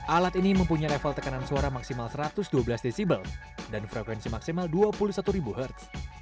alat ini mempunyai level tekanan suara maksimal satu ratus dua belas dcble dan frekuensi maksimal dua puluh satu ribu hertz